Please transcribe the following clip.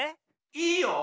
いいよ。